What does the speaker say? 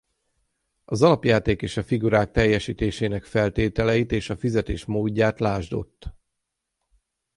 Az alapjáték és a figurák teljesítésének feltételeit és a fizetés módját lásd ott.